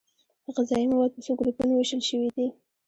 غذايي مواد په څو ګروپونو ویشل شوي دي